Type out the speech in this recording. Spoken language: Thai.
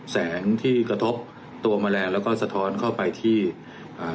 แสงที่กระทบตัวแมลงแล้วก็สะท้อนเข้าไปที่อ่า